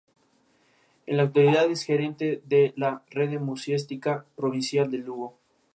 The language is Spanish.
Es considerado como el más grande novelista de la selva peruana.